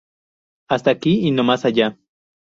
Hasta aquí y no más allá".